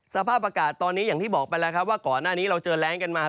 สภาพอากาศตอนนี้อย่างที่บอกไปแล้วครับว่าก่อนหน้านี้เราเจอแรงกันมา